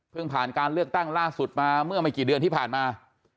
ผ่านการเลือกตั้งล่าสุดมาเมื่อไม่กี่เดือนที่ผ่านมา